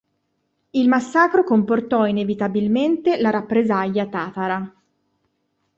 Il massacro comportò inevitabilmente la rappresaglia tatara.